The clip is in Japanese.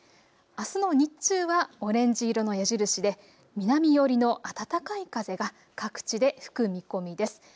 あすの日中はオレンジ色の矢印で南寄りの暖かい風が各地で吹く見込みです。